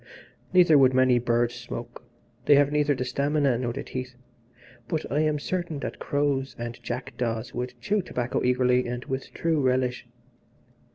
Neither would many birds smoke, they have neither the stamina nor the teeth, but I am certain that crows and jackdaws would chew tobacco eagerly and with true relish.